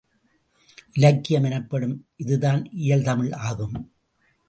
இலக்கியம் எனப்படும் இதுதான் இயல்தமிழ் ஆகும்.